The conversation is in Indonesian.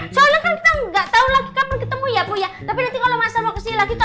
ya ya ya tapi kalau masih lagi bisa menemui kita